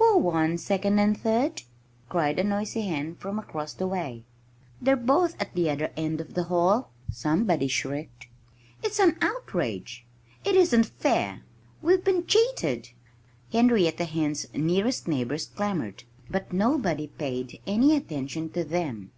"Who won second and third?" cried a noisy hen from across the way. "They're both at the other end of the hall!" somebody shrieked. "It's an outrage! It isn't fair! We've been cheated!" Henrietta Hen's nearest neighbors clamored. But nobody paid any attention to them.